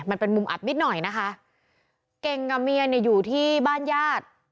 มันเป็นมุมอับนิดหน่อยนะคะเก่งกับเมียเนี่ยอยู่ที่บ้านญาติ